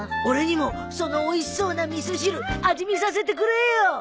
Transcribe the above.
俺にもそのおいしそうな味噌汁味見させてくれよ。